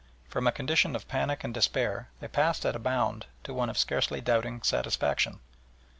From a condition of panic and despair they passed at a bound to one of scarcely doubting satisfaction.